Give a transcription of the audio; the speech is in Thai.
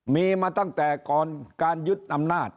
มีมาตั้งแต่ก่อนการยึดอำนาจ